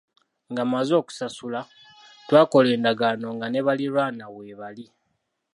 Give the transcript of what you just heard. Nga mmaze okusasula, twakola endagaano nga ne baliraanwa weebali.